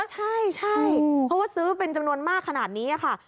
ใช่เพราะว่าซื้อเป็นจำนวนมากขนาดนี้ค่ะ